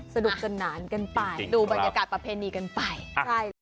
สนุกจนนานกันไปดูบรรยากาศประเภทนี้กันไป